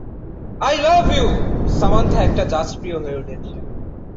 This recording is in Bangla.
আই লাভ ইউ, সামান্থা একটি জ্যাজ প্রিয় হয়ে উঠেছে।